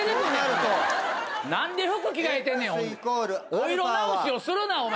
お色直しをするなお前。